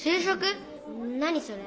何それ？